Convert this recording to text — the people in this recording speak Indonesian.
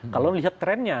kalau lihat trennya